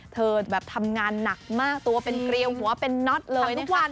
เธอแบบทำงานหนักมากตัวเป็นเกลียวหัวเป็นน็อตเลยทุกวัน